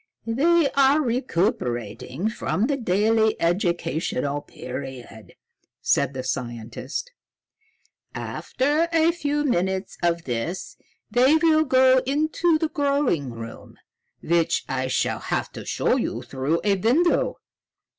"They are recuperating from the daily educational period," said the scientist. "After a few minutes of this they will go into the growing room, which I shall have to show you through a window.